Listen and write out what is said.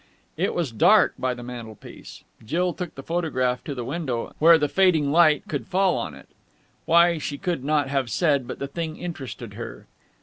It was dark by the mantelpiece. Jill took the photograph to the window, where the fading light could fall on it. Why, she could not have said, but the thing interested her.